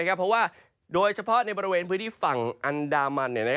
เพราะว่าโดยเฉพาะในบริเวณพื้นที่ฝั่งอันดามัน